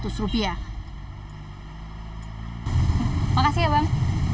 terima kasih ya bang